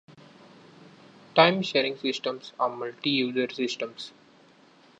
Time-sharing systems are multi-user systems.